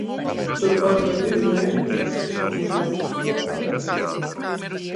Turpat jau divi mēneši esmu nodzīvojusi savā paradīzē.